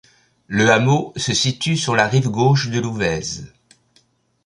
Le hameau se situe sur la rive gauche de l'Ouvèze.